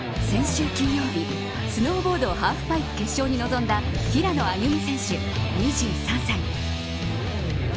先週金曜日スノーボードハーフパイプ決勝に臨んだ平野歩夢選手、２３歳。